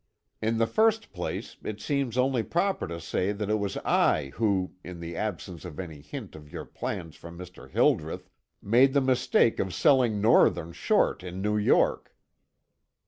In the first place, it seems only proper to say that it was I who, in the absence of any hint of your plans from Mr. Hildreth, made the mistake of selling Northern short in New York."